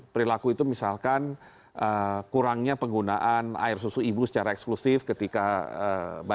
perilaku itu misalkan kurangnya penggunaan air susu ibu secara eksklusif ketika bayi